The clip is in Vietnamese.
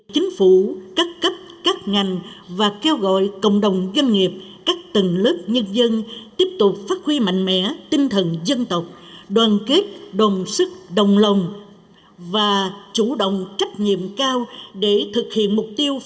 chính phủ cắt cắt các ngành và kêu gọi cộng đồng doanh nghiệp các tầng lớp nhân dân tiếp tục